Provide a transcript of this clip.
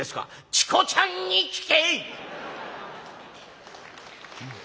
「チコちゃんに聞け！」。